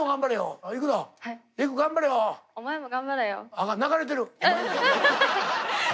あかん流れてる。